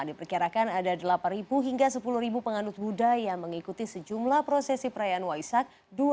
diperkirakan ada delapan hingga sepuluh pengandut buddha yang mengikuti sejumlah prosesi perayaan waisak dua ribu delapan belas